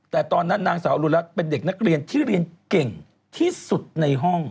แต่ตอนนั้นนางสาวอรุณรัฐเป็นเด็กนักเรียนที่เรียนเก่งที่สุดในห้อง